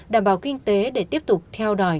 đảm bảo kinh tế để tiếp tục theo đòi